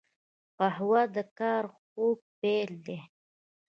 قهوه د کار خوږ پیل دی